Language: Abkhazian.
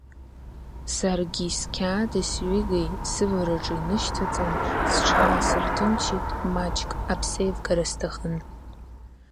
Саргьы сқьаади сҩыгеи сывараҿы инышьҭаҵан, сҽаасырҭынчит, маҷк аԥсеивгара сҭахын.